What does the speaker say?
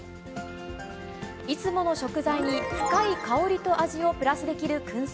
いつもの食材に深い香りと味をプラスできるくん製。